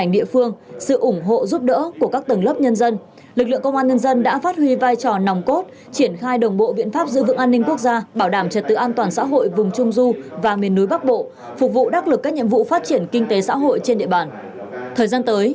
thời gian lực lượng công an nhân dân đã phát huy vai trò nòng cốt triển khai đồng bộ biện pháp giữ vững an ninh quốc gia bảo đảm trật tự an toàn xã hội vùng trung du và miền núi bắc bộ phục vụ đắc lực các nhiệm vụ phát triển kinh tế xã hội trên địa bàn